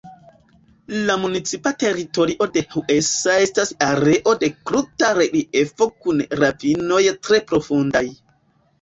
La municipa teritorio de Huesa estas areo de kruta reliefo kun ravinoj tre profundaj.